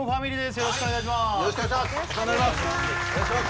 よろしくお願いします